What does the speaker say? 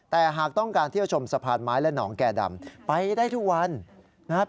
แต่หากต้องการเที่ยวชมสะพานไม้และหนองแก่ดำไปได้ทุกวันนะครับ